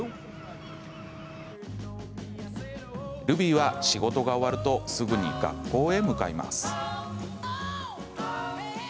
ルビーは仕事が終わるとすぐに学校へ向かいます。